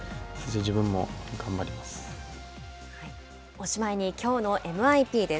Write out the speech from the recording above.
おしまいに「きょうのＭＩＰ」です。